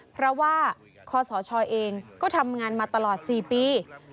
เพราะว่าคศเองก็ทำงานมาตลอด๔ปี